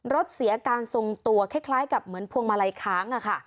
เสียอาการทรงตัวคล้ายกับเหมือนพวงมาลัยค้าง